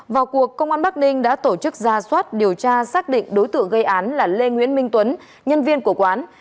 vào cuộc công an bắc ninh đã tổ chức ra soát điều tra xác định đối tượng gây án là lê nguyễn minh tuấn nhân viên của quán